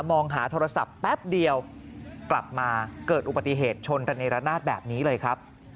มองหาโทรศัพท์แป๊บเดียวกลับมาเกิดอุบัติเหตุชนระเนรนาศแบบนี้เลยครับ